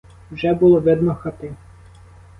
Вже було видно хати.